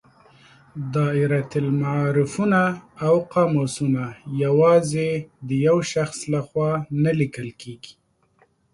دایرة المعارفونه او قاموسونه یوازې د یو شخص له خوا نه لیکل کیږي.